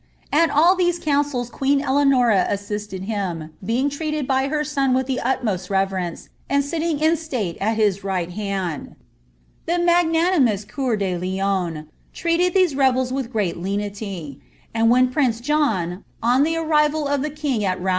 At all these councils queen Eleanora assisted him, being treated by her son with the utmost reverence, and sitting in state at his right hand. The magnanimous Cceur de Lion treated these rebels with great lenity ; and when prince John, on the arrival of the king at Rouen, ^ing ' The marriago was aAerwards broken.